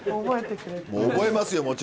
覚えますよ